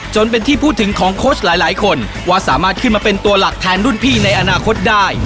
จนเป็นที่พูดถึงของโค้ชหลายคนว่าสามารถขึ้นมาเป็นตัวหลักแทนรุ่นพี่ในอนาคตได้